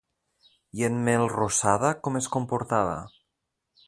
I en Melrosada com es comportava?